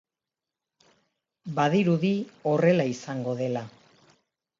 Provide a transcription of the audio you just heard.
Badirudi horrela izango dela.